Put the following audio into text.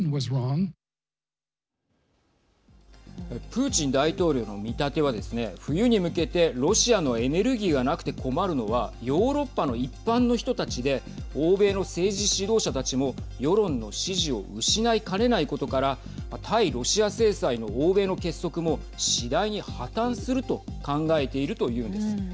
プーチン大統領の見立てはですね冬に向けてロシアのエネルギーがなくて困るのはヨーロッパの一般の人たちで欧米の政治指導者たちも世論の支持を失いかねないことから対ロシア制裁の欧米の結束も次第に破綻すると考えているというのです。